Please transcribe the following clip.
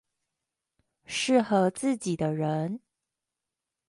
適合自己的人